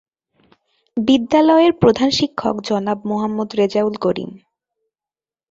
বিদ্যালয়ের প্রধান শিক্ষক জনাব মোহাম্মদ রেজাউল করিম।